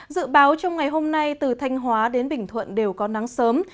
dự báo trong ngày hôm nay từ thanh hóa đến bình thuận đều có nắng sớm